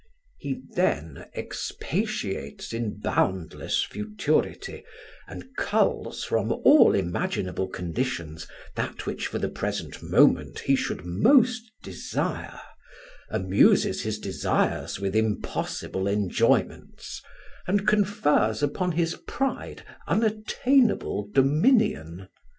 He then expatiates in boundless futurity, and culls from all imaginable conditions that which for the present moment he should most desire, amuses his desires with impossible enjoyments, and confers upon his pride unattainable dominion.